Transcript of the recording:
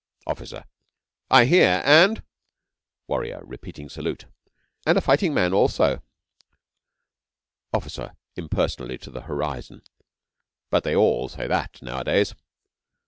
OFFICER. I hear. And ...? WARRIOR (repeating salute). And a fighting man also. OFFICER (impersonally to horizon). But they all say that nowadays.